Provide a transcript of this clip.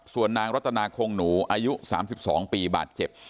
ส่วนนางรัตนาคงหนูอายุ๓๒ปีบาดเจ็บ